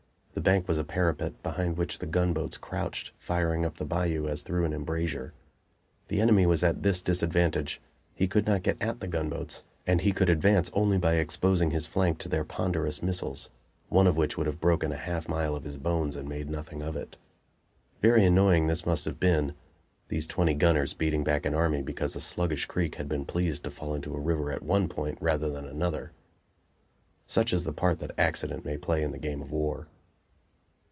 The bank was a parapet, behind which the gunboats crouched, firing up the bayou as through an embrasure. The enemy was at this disadvantage: he could not get at the gunboats, and he could advance only by exposing his flank to their ponderous missiles, one of which would have broken a half mile of his bones and made nothing of it. Very annoying this must have been these twenty gunners beating back an army because a sluggish creek had been pleased to fall into a river at one point rather than another. Such is the part that accident may play in the game of war.